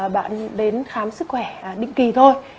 bạn ấy đến khám sức khỏe định kỳ thôi